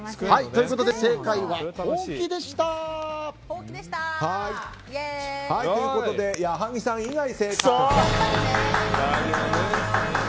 ということで正解はほうきでした！ということで、矢作さん以外正解。